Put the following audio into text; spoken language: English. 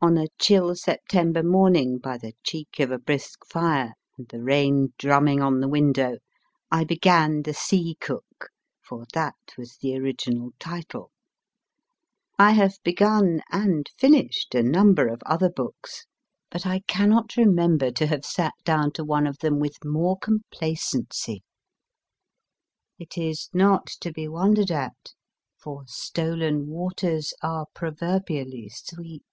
On a chill September morning, by the cheek of a brisk fire, and the rain drumming on the window, I began The Sea Cook, for that was the original title. I have begun (and finished) a number of other books, but I cannot remember to have sat down to one of them with more complacency. It is not to be wondered at, for stolen waters are proverbially sweet.